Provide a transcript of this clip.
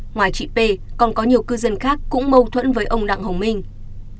ngoài chị p còn có nhiều cư dân khác cũng mâu thuẫn với ông đặng hồng minh